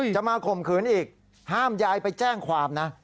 จะมาข่มขืนอีกห้ามยายไปแจ้งความนะ